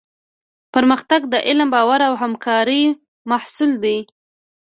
پرمختګ د علم، باور او همکارۍ محصول دی.